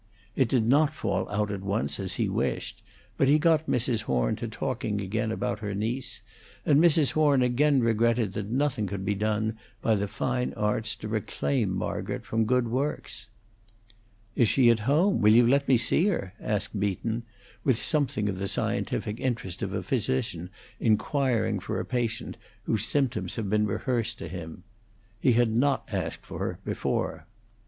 It did not fall out at once as he wished, but he got Mrs. Horn to talking again about her niece, and Mrs. Horn again regretted that nothing could be done by the fine arts to reclaim Margaret from good works. "Is she at home? Will you let me see her?" asked Beacon, with something of the scientific interest of a physician inquiring for a patient whose symptoms have been rehearsed to him. He had not asked for her before.